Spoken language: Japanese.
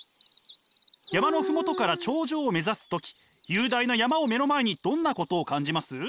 山の麓から頂上を目指す時雄大な山を目の前にどんなことを感じます？